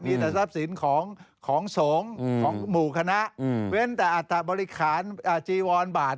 มีแต่ทรัพย์สินของสงฆ์ของหมู่คณะเว้นแต่อัตบริหารจีวรบาท